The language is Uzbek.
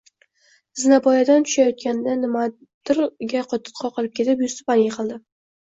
Zinapoyadan tushayotganda nimagadir qoqilib ketib, yuztuban yiqildim